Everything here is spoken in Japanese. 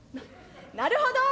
なるほど！